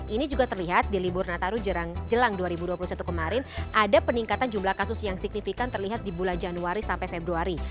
ini juga terlihat di libur nataru jelang dua ribu dua puluh satu kemarin ada peningkatan jumlah kasus yang signifikan terlihat di bulan januari sampai februari